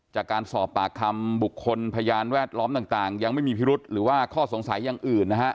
จากการสอบปากคำบุคคลพยานแวดล้อมต่างยังไม่มีพิรุษหรือว่าข้อสงสัยอย่างอื่นนะฮะ